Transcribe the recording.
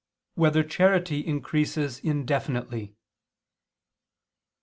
7] Whether Charity Increases Indefinitely?